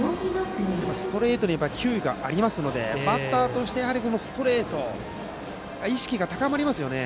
ストレートに球威がありますのでバッターとしてストレートへの意識が高まりますよね。